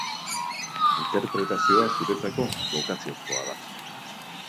Interpretazioa zuretzako bokaziozkoa da.